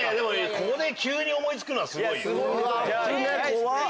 ここで急に思い付くのはすごいよ。